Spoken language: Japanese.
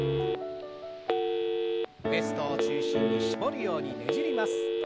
ウエストを中心に絞るようにねじります。